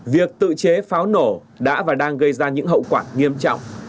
việc tự chế pháo nổ đã và đang gây ra những hậu quả nghiêm trọng